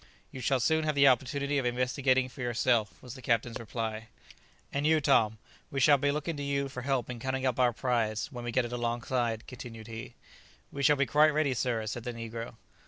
"You shall soon have the opportunity of investigating for yourself," was the captain's reply. "And you, Tom; we shall be looking to you for help in cutting up our prize, when we get it alongside," continued he. "We shall be quite ready, sir," said the negro.